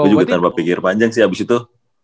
aku juga tanpa pikir panjang sih abis itu